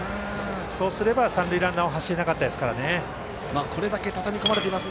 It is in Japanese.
そうすれば三塁ランナーは走れなかったですからね。